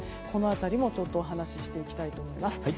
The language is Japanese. この辺りもお話していきたいと思います。